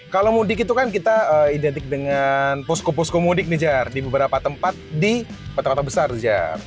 kalau mudik itu kan kita identik dengan posko posko mudik nih jar di beberapa tempat di kota kota besar